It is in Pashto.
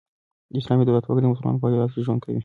د اسلامي دولت وګړي د مسلمانانو په هيواد کښي ژوند کوي.